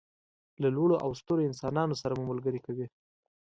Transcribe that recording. له لوړو او سترو انسانانو سره مو ملګري کوي.